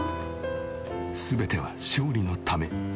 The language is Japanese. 全ては勝利のため。